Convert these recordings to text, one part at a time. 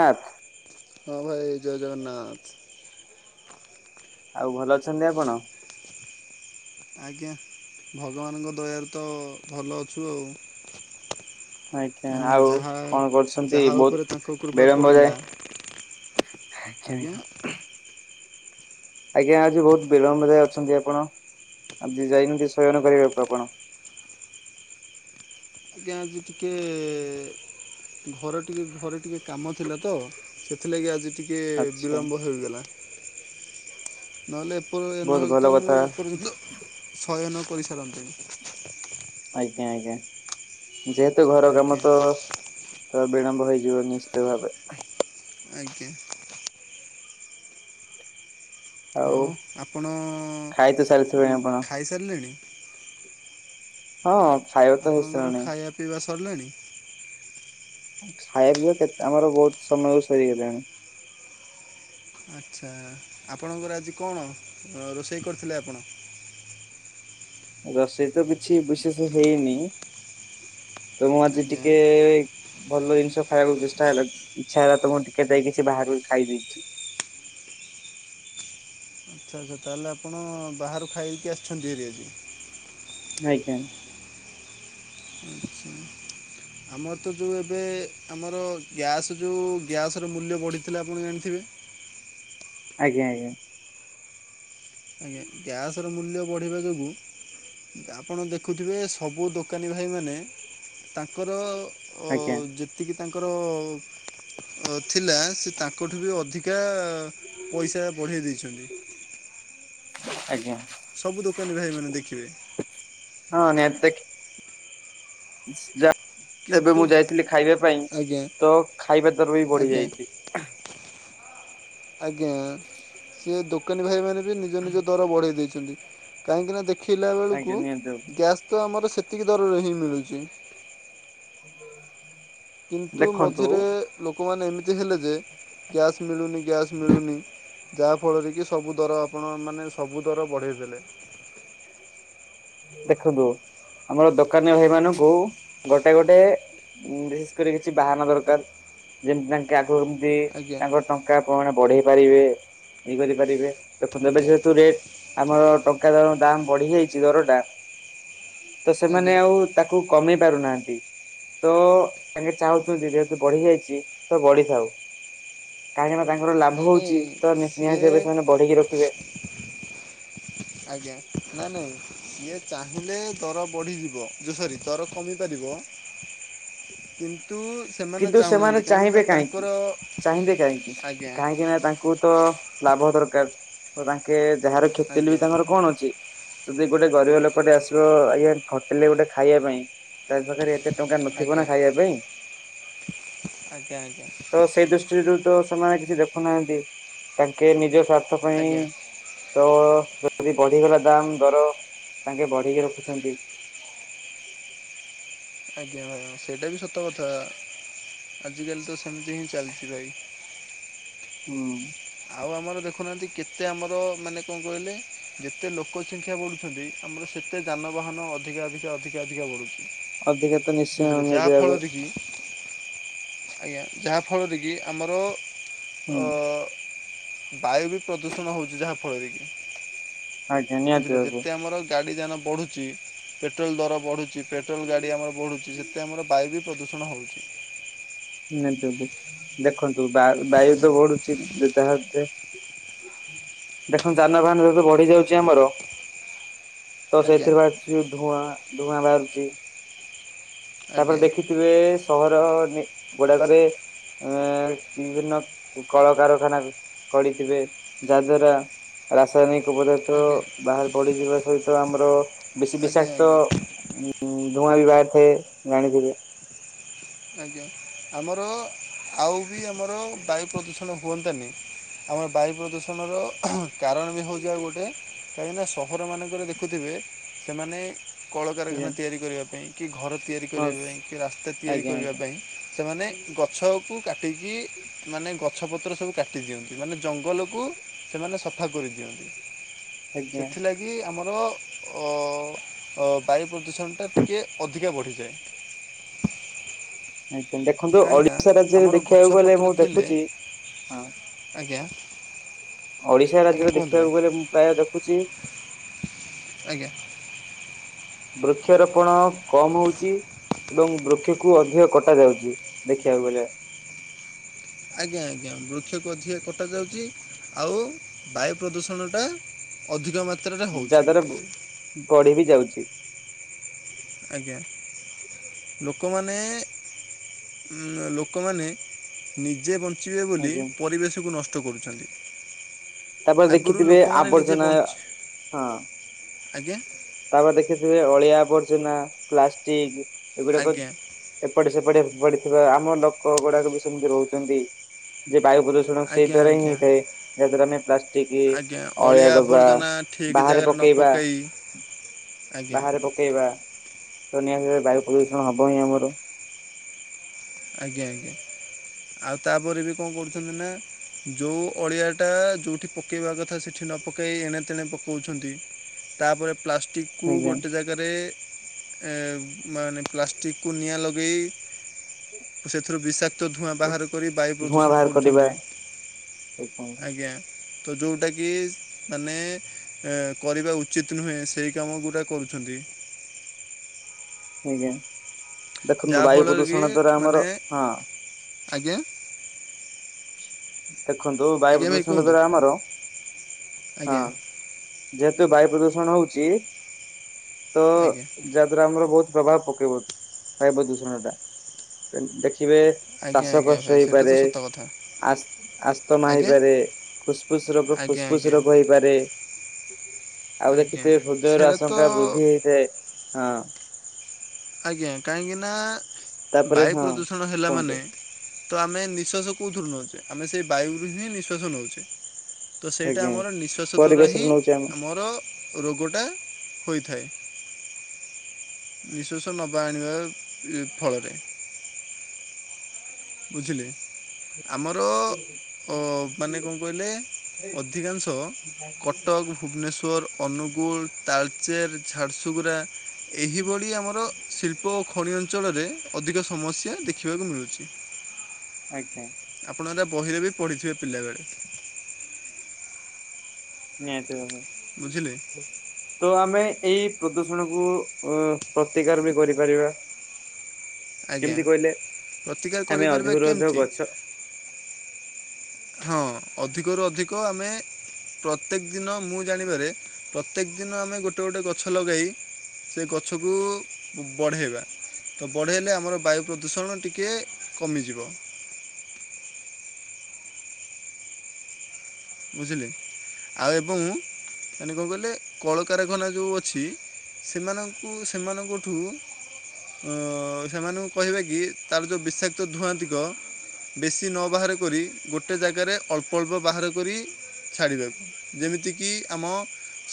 ନାଚ। ହଁ ଭାଇ ଜୟ ଜଗନ୍ନାଥ। ଆଉ ଭଲ ଅଛନ୍ତି ଆପଣ? ଆଜ୍ଞା ଭଗବାନଙ୍କ ଦୟାରୁ ତ ଭଲ ଅଛୁ ଆଉ। ଆଜ୍ଞା କାହିଁକିନା ଆଉ ଯାହା କଣ କରୁଛନ୍ତି ଯାହା ଉପରେ ତାଙ୍କ ବହୁତ କୃପା ବିଳମ୍ବ ପଡ଼ିଲା ଯାଏ ଆଜ୍ଞା ଆଜ୍ଞା। ଆଜ୍ଞା ଆଜି ବହୁତ ବିଳମ୍ବ ରେ ଅଛନ୍ତି ଆପଣ ଆଜି ଯାଇନକି ଶୟନ କରିବାକୁ ଆପଣ? ଆଜ୍ଞା ଆଜି ଟିକେ ଘରେ ଟିକେ ଘରେ ଟିକେ କାମ ଥିଲା ତ। ସେଥିଲାଗି ଆଜି ଟିକେ ଆଚ୍ଛା ବିଳମ୍ବ ହେଇଗଲା। ନହେଲେ ଏପରେ ବହୁତ ନହେଲେ ଭଲ ତ ମୁଁ କଥା ଏପର୍ଯ୍ୟନ୍ତ ଶୟନ କରିସାରନ୍ତି। ଆଜ୍ଞା ଆଜ୍ଞା ଯେହେତୁ ଘର କାମ ଆଜ୍ଞା ତ ତ ବିଳମ୍ବ ହେଇଯିବ ନିଶ୍ଚିତ ଭାବେ। ଆଜ୍ଞା। ଆଉ ଆପଣ ଖାଇ ତ ସାରିଥିବେଣି ଆପଣ? ଖାଇସାରିଲେଣି? ହଁ। ଖାଇବା ତ ଆପଣଙ୍କର ହେଇସାରିଲାଣି ଖାଇବା ପିଇବା ସରିଲାଣି? ଖାଇବ କେତ୍ ଆମର ବହୁତ ସମୟରୁ ସରିଗଲାଣି। ଆଚ୍ଛା ଆପଣଙ୍କର ଆଜି କଣ ରୋଷେଇ କରିଥିଲେ ଆପଣ? ରୋଷେଇ ତ କିଛି ବିଶେଷ ହେଇନି ତ ମୁଁ ଆଜି ଆଜ୍ଞା ଟିକେ ଭଲ ଜିନିଷ ଖାଇବାକୁ ଚେଷ୍ଟା ହେଲା ଇଚ୍ଛା ହେଲା ତ ମୁଁ ଟିକେ ଯାଇକି ସେ ବାହାରୁ ଖାଇ ଦେଇଛି। ଆଛା ଆଛା ତାହେଲେ ଆପଣ ବାହାରୁ ଖାଇକି ଆସିଛନ୍ତି ହେରିଆଜି। ଆଜ୍ଞା। ଆଚ୍ଛା, ଆମର ତ ଯୋଉ ଏବେ ଆମର ଗ୍ୟାସ୍ ଯୋଉ ଗ୍ୟାସ୍ ମୂଲ୍ୟ ବଢ଼ିଥିଲା ଆପଣ ଜାଣିଥିବେ? ଆଜ୍ଞା ଆଜ୍ଞା। କ୍ୟାସ ର ମୂଲ୍ୟ ବଢ଼ିବା ଯୋଗୁଁ ଆପଣ ଦେଖୁଥିବେ ସବୁ ଦୋକାନୀ ଭାଇମାନେ ତାଙ୍କର ଅ ଆଜ୍ଞା ଯେତିକି ତାଙ୍କର ଅ ଥିଲା ସେ ତାଙ୍କଠୁ ବି ଅଧିକା ପଇସା ବଢେଇ ଦେଇଛନ୍ତି। ଆଜ୍ଞା। ସବୁ ଦୋକାନୀ ଭାଇ ମାନେ ଦେଖିବେ। ହଁ ନିହାତି ଦେ ଯାଃ ଏବେ କିନ୍ତୁ ମୁଁ ଯାଇଥିଲି ଖାଇବା ପାଇଁ ଆଜ୍ଞା ତ ଖାଇବା ଦର ବି ବଢି ଆଜ୍ଞା ଯାଇଛି। ଆଜ୍ଞା କିଏ ଦୋକାନୀ ଭାଇମାନେ ବି ନିଜ ନିଜ ଦର ବଢ଼େଇ ଦେଇଛନ୍ତି କାହିଁକିନା ଦେ ଖିଲା ଆଜ୍ଞା ବେଳକୁ ନିହାତି ଭାବେ ଗ୍ୟାସ୍ ତ ଆମର ସେତିକି ଦରରେ ହିଁ ମିଳୁଛି। କିନ୍ତୁ ଦେଖନ୍ତୁ ମଝିରେ ଲୋକମାନେ ଏମିତି ହେଲେ ଯେ କ୍ୟାସ୍ ମିଳୁନି ଗ୍ୟାସ୍ ମିଳୁନି। ଯାହାଫଳରେ କି ସବୁ ଦର ଆପଣ ମାନେ ସବୁ ଦର ବଢ଼େଇ ଦେଲେ। ଦେଖନ୍ତୁ ଆମର ଦୋକାନୀ ଭାଇ ମାନଙ୍କୁ ଗୋଟେ ଗୋଟେ ହମ୍ ବିଶେଷ କରି କିଛି ବାହାନା ଦରକାର। ଯେମିତି ତାଙ୍କେ ଆଗକୁ କେମତି ଆଜ୍ଞା ତାଙ୍କ ଟଙ୍କା କଣ ବଢେଇ ପାରିବେ ଇଏ କରିପାରିବେ। ଦେଖନ୍ତୁ ଏବେ ଆଜ୍ଞା ଯେହେତୁ ରେଟ ଆମର ଟଙ୍କା ଦର ଦାମ ବଢିଯାଇଛି ଦରଟା। ତ ଆଜ୍ଞା ସେମାନେ ଆଉ ତାକୁ କମେଇ ପାରୁନାହାନ୍ତି। ତ ତାଙ୍କେ ଚାହୁଁଛନ୍ତି ଯେହେତୁ ଗଢି ଯାଇଛି ତ ବଢିଥାଉ। କାହିଁକି ନା ତାଙ୍କର ଲାଭ ନାଇଁ ନାଇଁ ହଉଛି ତ ନି-ନିହାତି ସିଏ ଭବେ ସେମାନେ ବଢେଇକି ରଖିବେ। ଆଜ୍ଞା ନା ନାଇଁ ସିଏ ଚାହିଁଲେ ତର ବଢ଼ିଯିବ ଯେ ସରି ତର କମିପାରିବ। କିନ୍ତୁ କିନ୍ତୁ ସେମାନେ ଚାହୁଁନାହାନ୍ତି କାହିଁକିନା ଚାହିଁବେ କାହିଁକି ତାଙ୍କର ଚାହିଁବେ କାହିଁକି ଆଜ୍ଞା କାହିଁକି ନା ତାଙ୍କୁ ତ ଲାଭ ଦରକାର ତ ତାଙ୍କେ ଯାହାର କ୍ଷତିହେଲେ ଆଜ୍ଞା ବି ତାଙ୍କର କଣ ଅଛି। ଯଦି ଗୋଟେ ଗରିବ ଲୋକଟେ ଆସିବ ଆଜ୍ଞା ହୋଟେଲ ରେ ଗୋଟେ ଖାଇବା ପାଇଁ ତା ପାଖରେ ଏତେ ଟଙ୍କା ନଥିବ ଆଜ୍ଞା ନା ଖାଇବା ପାଇଁ। ଆଜ୍ଞା ଆଜ୍ଞା। ତ ସେଇ ଦୃଷ୍ଟିରୁ ତ ସେମାନେ କିଛି ଦେଖୁନାହାନ୍ତି ତାଙ୍କେ ନିଜ ସ୍ୱାର୍ଥ ଆଜ୍ଞା ପାଇଁ ତ ଯଦି ବଢିଗଲା ଦାମ ଦର ତାଙ୍କେ ବଢେଇକି ରଖୁଛନ୍ତି। ଆଜ୍ଞା ଭାଇ ସେଇଟା ବି ସତ କଥା ଆଜିକାଲି ତ ସେମିତି ହିଁ ଚାଲିଛି ଭାଇ। ହୁଁ। ଆଉ ଆମର ଦେଖୁନାହାନ୍ତି କେତେ ଆମର ମାନେ କଣ କହିଲେ ଯେତେ ଲୋକ ସଂଖ୍ୟା ବଢ଼ୁଛନ୍ତି ଆମର ସେତେ ଯାନବାହାନ ଅଧିକା ଅଧିକା ଅଧିକା ଅଧିକା ବଢ଼ୁଛି। ଅଧିକା ତ ନିଶ୍ଚୟ ବୁଝିଲେ ଯାହା ନିହାତି ଭାବେ ଫଳରେ କି ଆଜ୍ଞା ଯାହାଫଳରେ କି ଆମର ହୁଁ। ଅ ବାୟୁ ବି ପ୍ରଦୂଷଣ ହଉଛି ଯାହାଫଳରେ କି। ଆଜ୍ଞା ନିହାତି ବୁଝିଲେ ଭାବେ ଯେତେ ଆମର ଗାଡି ଯାନ ବଢୁଛି ପେଟ୍ରୋଲ ଦର ବଢୁ ଛି ପେଟ୍ରୋଲ୍ ଗାଡ଼ି ଆମର ବଢ଼ୁଛି ସେତେ ଆମର ବାୟୁ ବି ପ୍ରଦୂଷଣ ହଉଛି। ନାଇଁ ଦେବୁ ଦେଖନ୍ତୁ ବା-ବାୟୁ ତ ବୁଝିଲେ ବଢୁଛି ଦ ତାହା ଯେ ଦେଖନ୍ତୁ ଯାନବାହାନ ଯେହେତୁ ବଢି ଯାଉଛି ଆମର। ତ ଆଜ୍ଞା। ସେଥିରେ ବାହାରୁଛି ଧୂଆଁ ଧୂଆଁ ବାହାରୁଛି। ତାପରେ ଆଜ୍ଞା ଦେଖିଥିବେ ସହର ଗୁଡାକରେ ଅ ବିଭିନ୍ନ କଳକାରଖାନା କରିଥିବେ ଯାହା ଦ୍ୱାରା ରାସାୟନିକ ପଦାର୍ଥ ଆଜ୍ଞା ବାହାରେ ବଢିଯିବା ସହିତ ଆମର ବେଶୀ ଆଜ୍ଞା ବିଷାକ୍ତ ଆଜ୍ଞା ଉଁ ଧୂଆଁ ବି ବାହାରି ଏ ଜାଣିଥିବେ। ଆଜ୍ଞା ଆମର ଆଉ ବି ଆମର ବାୟୁ ପ୍ରଦୂଷଣ ହୁଅନ୍ତାନି। ଆମର ବାୟୁ ପ୍ରଦୂଷଣର କାରଣ ବି ହେଉଛି ଆଉ ଗୋଟେ। କାହିଁକିନା ସହର ମାନଙ୍କରେ ଦେଖୁଥିବେ ସେମାନେ ଆଜ୍ଞା କଳକାରଖାନା ତିଆରି କରିବା ପାଇଁ କି ଘର ତିଆରି ହଁ କରିବା ପାଇଁ କି ରାସ୍ତା ତି ତିଆରି ଆଜ୍ଞା କରିବା ଆଜ୍ଞା। ପାଇଁ ସେମାନେ ଗଛକୁ କାଟିକି ମାନେ ଗଛ ପତ୍ର ସବୁ କାଟି ଦିଅନ୍ତି। ମାନେ ଜଙ୍ଗଲକୁ ସେମାନେ ସଫା କରିଦିଅନ୍ତି। ଆଜ୍ଞା ସେଥିଲାଗି ଆମର ଅ ଅ ବାୟୁ ପ୍ରଦୂଷଣଟା ଟିକିଏ ଅଧିକା ବଢ଼ିଯାଏ। ଆଜ୍ଞା ଦେଖନ୍ତୁ କାହିଁକି ନା ଓଡିଶା ରାଜ୍ୟରେ ଆମର ଦେଖିବାକୁ ଗଲେ ଗଛପତ୍ର ମୁଁ ଥିଲେ ଦେଖୁଛି ହଁ ଆଜ୍ଞା। ଓଡିଶା ଆଜ୍ଞା ରାଜ୍ୟରେ କୁହନ୍ତୁ ଭାଇ ଦେଖିବାକୁ ଗଲେ ମୁଁ ପ୍ରାୟ ଦେଖୁଚି। ଆଜ୍ଞା ବୃକ୍ଷରୋପଣ କମ୍ ହୋଉଚି। ଏବଂ ବୃକ୍ଷକୁ ଅଧିକ କଟା ଯାଉଚି ଦେଖିଆକୁ ଗଲେ। ଆଜ୍ଞା ଆଜ୍ଞା ବୃକ୍ଷକୁ ଅଧିକ କଟାଯାଉଚି। ଆଉ ବାୟୁ ପ୍ରଦୂଷଣଟା ଅଧିକ ମାତ୍ରାରେ ଯା ହେଉଛି ଦ୍ଵାରା ଗଢି ବି ଯାଉଚି। ଆଜ୍ଞା। ଲୋକମାନେ ଲୋକମାନେ ନିଜେ ବନ୍ ଞ୍ଚିବେ ବୋଲି ଆଜ୍ଞା ପରିବେଶକୁ ନଷ୍ଟ କରୁଛନ୍ତି। ତାପରେ ଆଗରୁ ଦେଖିଥିବେ ଲୋକମାନେ ନିଜେ ଆବର୍ଜନା ବଞ୍ଚିବେ ହଁ ଆଜ୍ଞା। ତାପରେ ଦେଖିଥିବେ ଆଉ ଅଳିଆ ଆବର୍ଜନା ପ୍ଲାଷ୍ଟିକ୍ ଏଗୁଡାକ। ଆଜ୍ଞା ଏପଟେ ସେପଟେ ପଡିଥିବା ଆମ ଲୋକ ଗୁଡାକ ବି ସେମତି ରହୁଚନ୍ତି। ଯେ ବାୟୁ ପ୍ରଦୂଷଣ ତେଣୁ ସେଇ ଆଜ୍ଞା ଦ୍ଵାରା ହିଁ ଆଜ୍ଞା ହେଇଥାଏ। ଯା ଦ୍ଵାରା ଆମେ ପ୍ଲାଷ୍ ଠିକି ଆଜ୍ଞା ଅଳିଆ ଡବା ଆବର୍ଜନା ଠିକ୍ ବାହାରେ ଜାଗାରେ ନ ପକେଇବା। ପକାଇ ଆଜ୍ଞା ବାହାରେ ପକେଇବା ତ ନିହାତି ଭାବରେ ବାୟୁ ପ୍ରଦୂଷଣ ହବ ହିଁ ଆମର। ଆଜ୍ଞା ଆଜ୍ଞା ଆଉ ତାପରେ ବି କଁ କରୁଚନ୍ତି ନା ଯୋଉ ଅଳିଆଟା ଯୋଉଠି ପକେଇବା କଥା ସେଠି ନ ପକାଇ ଏଣେ ତେଣେ ପକଉଛନ୍ତି। ତାପରେ ପ୍ଲାଷ୍ଟିକ୍ କୁ ଆଜ୍ଞା ଗୋଟେ ଜାଗାରେ ଏଁ ମାନେ ପ୍ଲାଷ୍ଟିକ୍ କୁ ନିଆଁ ଲଗେଇ। ‍ପୁ ସେଥିରୁ ବିଶାକ୍ କ୍ତ ଧୂଆଁ ବାହାର କରି ବାୟୁ ଧୂଆଁ ପ୍ରଦୂଷଣ ବାହାର କରିବା କରୁଛନ୍ତି। ଆଜ୍ଞା। ତ ଯଉଟାକି ମାନେ ଏ କରିବା ଉଚିତ ନୁହେଁ। ସେହି କାମ ଗୁଡ଼ା କରୁଛନ୍ତି। ଆଜ୍ଞା ଦେଖନ୍ତୁ ଯାହା ବାୟୁ ଫଳରେ କି ପ୍ରଦୂଷଣ ଦ୍ଵାରା ଆମର ମାନେ ହଁ। ଆଜ୍ଞା। ଦେଖନ୍ତୁ ବାୟୁ ଆଜ୍ଞା ଭାଇ ପ୍ରଦୂଷଣ କୁହନ୍ତୁ ଦ୍ଵାରା ଆମର ହଁ। ଆଜ୍ଞା ଯେହେତୁ ବାୟୁ ପ୍ରଦୂଷଣ ହୋଉଚି ତ ଆଜ୍ଞା। ଯାହା ଦ୍ଵାରା ଆମର ବହୁତ୍ ପ୍ରଭାବ ପକେଇବ, ବାୟୁ ପ୍ରଦୂଷଣ ଟା। ଦେଖିବେ ଶ୍ବାସ କଷ୍ଟ ହେଇପାରେ। କଥା‌। ଆସ୍ ଆସ୍ତମା ହେଇପାରେ ଫୁସ୍ ଫୁସ୍ ରୋଗ ଫୁସ୍ ଆଜ୍ଞା ଫୁସ୍ ଆଜ୍ଞା। ରୋଗ ହେଇପାରେ। ଆଉ ଆଜ୍ଞା ଦେଖିଥିବେ ହୃଦୟର ସେରା ତ ଆଶଙ୍କା ବୃଦ୍ଧି ହେଇଥାଏ। ହଁ। ଆଜ୍ଞା କାହିଁକିନା ତାପରେ ବାୟୁ ହଁ ପ୍ରଦୂଷଣ ହେଲା କୁହନ୍ତୁ ମାନେ ତ ଆମେ ନିଃଶ୍ଵାସ କଉଥିରୁ ନଉଚେ ଆମେ ସେଇ ବାୟୁରୁ ହିଁ ନିଃଶ୍ବାସ ନଉଚେ। ତ ସେଇଟା ଆଜ୍ଞା ଆମର ନିଃଶ୍ୱାସ ଦ୍ୱାରା ହିଁ ପରିବେଶରୁ ନଉଛେ ଆମେ ଆମର ରୋଗଟା ହୋଇଥାଏ। ନିଃଶ୍ବାସ ନବା ଆଣିବା ଆ ଇ ଫଳରେ। ବୁଝିଲି। ଆମର‌ ଅ ମାନେ କଁ କହିଲେ ଅଧିକାଂଶ କଟକ, ଭୁବନେଶ୍ଵର, ଅନୁଗୁଳ, ତାଳ୍ ଚେର ଝାରସୁଗୁଡ଼ା। ଏହିଭଳି ଆମର ଶିଳ୍ପ ଓ ଖଣି ଅଞ୍ଚଳରେ ଅଧିକ ସମସ୍ୟା ଦେଖିବାକୁ ମିଳୁଚି। [inaudible] ଆଜ୍ଞା। ଆପଣ ଏରା ବହିରେ ବି ପଢ଼ିଥିବେ ପିଲାବେଳେ। ନିହାତି ଭାବରେ ବୁଝିଲେ। ତ ଆମେ ଏଇ ପ୍ରଦୂଷଣକୁୁ ଉଁ ପ୍ରତିକାର ବି କରିପାରିବା। ଆଜ୍ଞା, କେମିତି କହିଲେ ପ୍ରତିକାର ଆମେ କରିପାରିବା ଅଧିକରୁ ଅଧିକ କେମିତି? ଗଛ ହଁ ଅଧିକରୁ ଅଧିକ ଆମେ ପ୍ରତ୍ୟେକ ଦିନ ମୁଁ ଜାଣିବାରେ ପ୍ରତ୍ୟେକ ଦିନ ଆମେ ଗୋଟେ ଗୋଟେ ଗଛ ଲଗାଇ ସେ ଗଛକୁ ବଢ଼େଇବା। ତ ବଢ଼େଇଲେ ଆମର ବାୟୁ ପ୍ରଦୂଷଣ ଟିକେ କମିଯିବ। ବୁଝିଲେ ଆଉ ଏବଂ ମାନେ କଣ କହିଲେ କଳ କାରଖାନା ଯୋଉ ଅଛି ସେମାନଙ୍କୁ ସେମାନଙ୍କଠୁ ଆଁ ସେମାନଙ୍କୁ କହିବା କି ତାର ଯେଉଁ ବିଷାକ୍ତ ଧୁଆଁଦିଗ ବେଶି ନ ବାହାର କରି ଗୋଟେ ଜାଗାରେ ଅଳ୍ପ ଅଳ୍ପ ବାହାର କରି ଛାଡ଼ିବାକୁ। ଯେମିତିକି ଆମ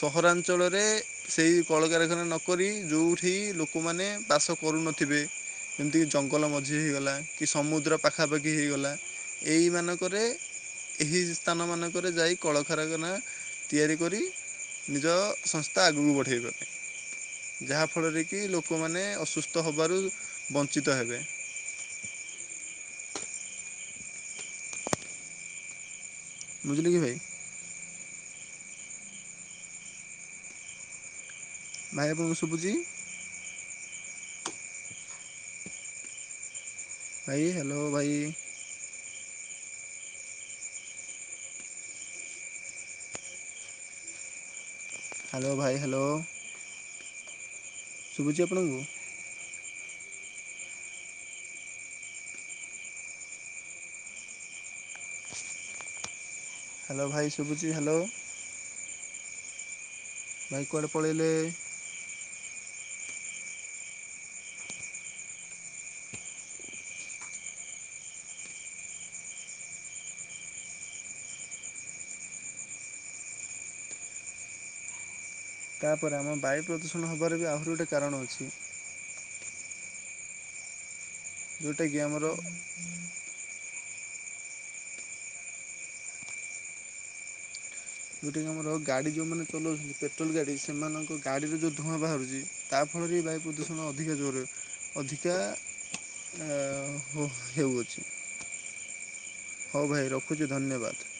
ସହରାଞ୍ଚଳରେ ସେଇ କଳ କାରଖାନା ନକରି ଯୋଉଠି ଲୋକମାନେ ବାସ କରୁନଥିବେ ଯେମିତିକି ଜଙ୍ଗଲ ମଝି ହେଇଗଲା କି ସମୁଦ୍ର ପାଖାପାଖି ହେଇଗଲା। ଏଇ ମାନଙ୍କରେ ଏହି ସ୍ଥାନ ମାନଙ୍କରେ ଯାଇ କଳ ଖାରଖାନା ତିଆରି କରି ନିଜ ସଂସ୍ଥା ଆଗକୁ ବଢ଼େଇଗଲେ। ଯାହାଫଳରେ କି ଲୋକମାନେ ଅସୁସ୍ଥ ହେବାରୁ ବଞ୍ଚିତ ହେବେ। ବୁଝିଲେ କି ଭାଇ? ଭାଇ ଆପଣଙ୍କୁ ଶୁଭୁଛି? ଭାଇ, ହ୍ୟାଲୋ ଭାଇ। ହ୍ୟାଲୋ, ଭାଇ ହ୍ୟାଲୋ। ଶୁଭୁଚି ଆପଣଙ୍କୁ? ହ୍ୟାଲୋ ଭାଇ ଶୁଭୁଛି ହ୍ୟାଲୋ। ଭାଇ କୁଆଡ଼େ ପଳେଇଲେ? ତାପରେ ଆମ ବାୟୁ ପ୍ରଦୂଷଣ ହେବାର ବି ଆହୁରି ଗୋଟେ କାରଣ ଅଛି। ଯୋଉଟା କି ଆମର ଯୋଉଟାକି ଆମର ଗାଡ଼ି ଯେଉଁମାନେ ଚଲାଉଛନ୍ତି ପେଟ୍ରୋଲ ଗାଡ଼ି ସେମାନଙ୍କ ଗାଡ଼ିରେ ଯେଉଁ ଧୂଆଁ ବାହାରୁଛି ତା ଫଳରେ ବାୟୁ ପ୍ରଦୂଷଣ ଅଧିକା ଜୋରରେ ଅଧିକା ଆହ୍ ହେଉଅଛି। ହଉ ଭାଇ ରଖୁଛି ଧନ୍ୟବାଦ।